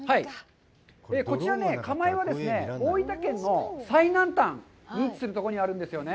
こちら蒲江は、大分県の最南端に位置するところにあるんですよね。